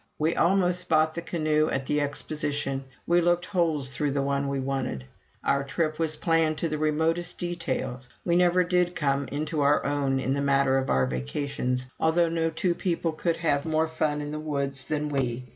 We almost bought the canoe at the Exposition we looked holes through the one we wanted. Our trip was planned to the remotest detail. We never did come into our own in the matter of our vacations, although no two people could have more fun in the woods than we.